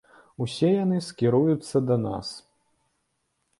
Усе яны скіруюцца да нас.